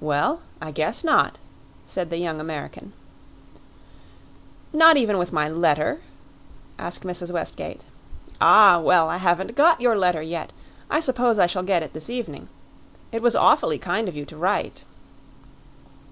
"Well, I guess not," said the young American. "Not even with my letter?" asked Mrs. Westgate. "Ah, well, I haven't got your letter yet; I suppose I shall get it this evening. It was awfully kind of you to write."